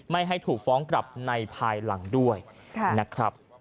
ไม่ให้ถูกฟ้องกลับในภายหลังด้วยนะครับ